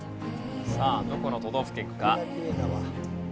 さあどこの都道府県か？